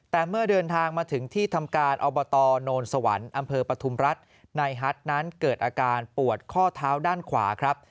แต่เมื่อเดินทางมาถึงที่ทำการอบตโนนสวรรค์อำเภอปฐุมรัฐนายฮัทนั้นเกิดอาการปวดข้อเท้าด้านขวาครับ